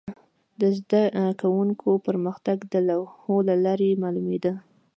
د زده کوونکو پرمختګ د لوحو له لارې معلومېده.